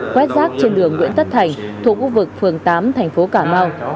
quét rác trên đường nguyễn tất thành thuộc khu vực phường tám thành phố cà mau